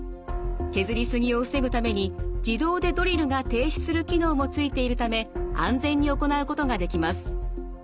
削り過ぎを防ぐために自動でドリルが停止する機能もついているため安全に行うことができます。